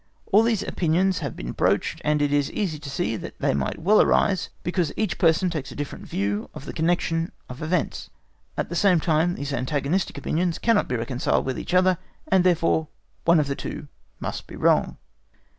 All these opinions have been broached, and it is easy to see that they might very well arise, because each person takes a different view of the connection of events. At the same time these antagonistic opinions cannot be reconciled with each other, and therefore one of the two must be wrong.